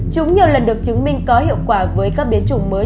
chúng nhiều lần được chứng minh có hiệu quả với các biến chủng mới